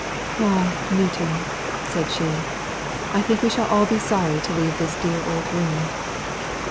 "Ah Newton!" said she, "I think we shall all be sorry to leave this dear old room."